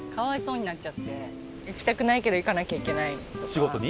仕事に？